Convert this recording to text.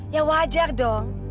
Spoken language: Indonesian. ya wajar dong